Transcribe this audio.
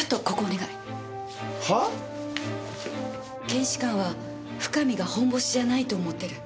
検視官は深見がホンボシじゃないと思ってる。